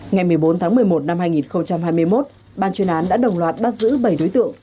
ngày một mươi bốn tháng một mươi một năm hai nghìn hai mươi một ban chuyên án đã đồng loạt bắt giữ bảy đối tượng